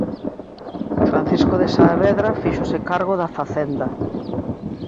Francisco de Saavedra fíxose cargo da Facenda.